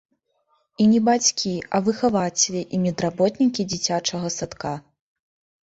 І не бацькі, а выхавацелі і медработнікі дзіцячага садка.